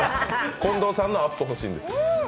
近藤さんのアップ欲しいんです。